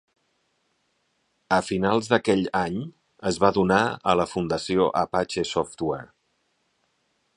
A finals d'aquell any es va donar a la Fundació Apache Software.